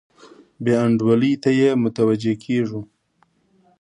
بې انډولۍ ته یې متوجه کیږو.